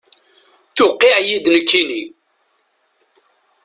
Tuqiɛ-yi-d nekkini.